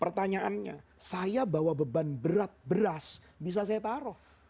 pertanyaannya saya bawa beban berat beras bisa saya taruh